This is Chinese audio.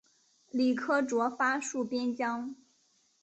李可灼发戍边疆。